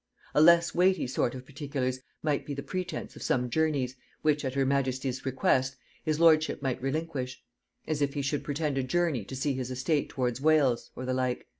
A less weighty sort of particulars might be the pretence of some journeys, which at her majesty's request his lordship might relinquish; as if he should pretend a journey to see his estate towards Wales, or the like....